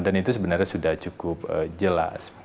dan itu sebenarnya sudah cukup jelas